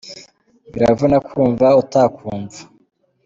biravuna kumva utakumva.